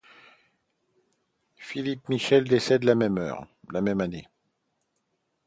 Philippe Michel, décède la même année.